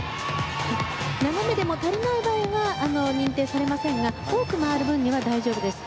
斜めでも足りない場合は認定されませんが多く回る分には大丈夫です。